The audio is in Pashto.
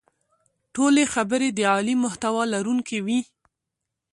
ټولې خبرې د عالي محتوا لرونکې وې.